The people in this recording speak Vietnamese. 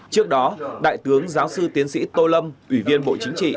trước đó đại tướng giáo sư tiến sĩ tô lâm ủy viên bộ chính trị